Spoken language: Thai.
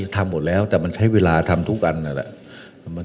ต้องแบบโงโมงมาก็นกเเคล่า